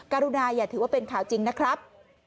กรุณาอย่าถือว่าเป็นข่าวจริงนะครับ